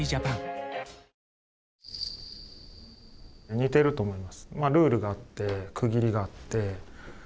似てると思います。